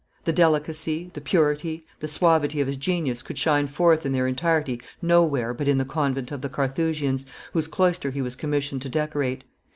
The delicacy, the purity, the suavity of his genius could shine forth in their entirety nowhere but in the convent of the Carthusians, whose cloister he was commissioned to decorate.